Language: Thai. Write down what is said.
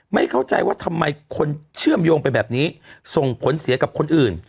ไม่เข้าใจว่าทำไมคนเชื่อมโยงไปแบบนี้ส่งผลเสียกับคนอื่น